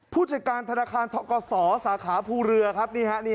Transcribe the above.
ผู้จัดการธนาคารกษสาขาภูเรือครับ